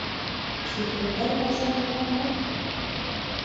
Секретарь башым менәнме?